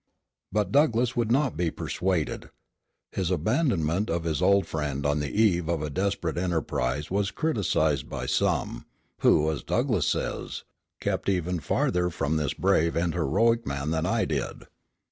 But Douglass would not be persuaded. His abandonment of his old friend on the eve of a desperate enterprise was criticised by some, who, as Douglass says, "kept even farther from this brave and heroic man than I did."